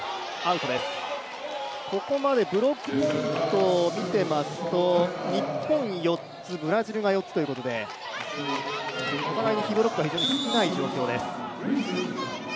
ここまでブロックポイントを見ていますと日本４つ、ブラジルが４つということで、お互いに被ブロックが少ないという状態です。